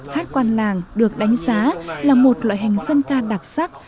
hát quan làng được đánh giá là một loại hình dân ca đặc sắc